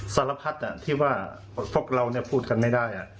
สารพัดที่ว่าพวกเราพูดกันไม่ได้